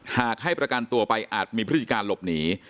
หากให้ประกันตัวไปอาจมีพฤติการหลบหนี